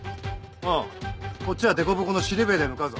ああこっちはデコボコのシルビアで向かうぞ。